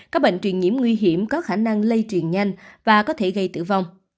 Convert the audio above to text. các bệnh truyền nhiễm nguy hiểm có khả năng lây truyền nhanh và có thể gây tử vong